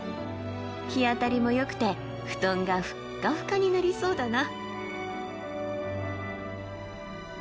日当たりもよくて布団がふっかふかになりそうだな。